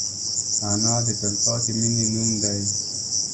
انا د تلپاتې مینې نوم دی